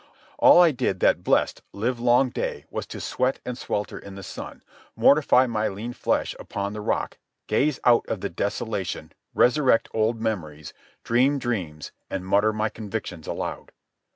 All I did that blessed, livelong day was to sweat and swelter in the sun, mortify my lean flesh upon the rock, gaze out of the desolation, resurrect old memories, dream dreams, and mutter my convictions aloud.